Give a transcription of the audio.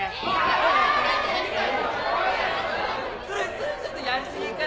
それちょっとやりすぎかな？